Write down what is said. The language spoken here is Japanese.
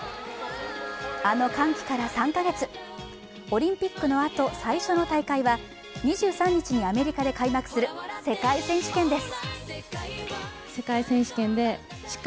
あの歓喜から３カ月、オリンピックのあと最初の大会は２３日にアメリカで開幕する世界選手権です。